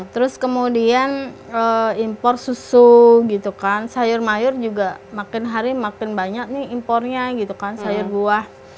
terus kemudian impor susu gitu kan sayur mayur juga makin hari makin banyak nih impornya gitu kan sayur buah